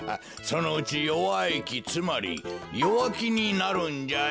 そのうち弱い木つまり弱木になるんじゃよ。